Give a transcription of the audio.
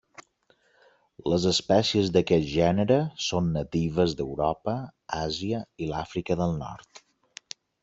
Les espècies d'aquest gènere són natives d'Europa, Àsia i l'Àfrica del nord.